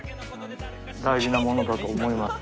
大事なものだと思います。